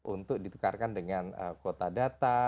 untuk ditukarkan dengan kuota data